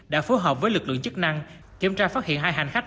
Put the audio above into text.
đã phối hợp với lực lượng chức năng kiểm tra phát hiện hai hành khách